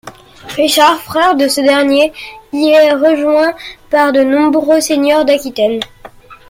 Richard, frère de ce dernier, y est rejoint par de nombreux seigneurs d'Aquitaine.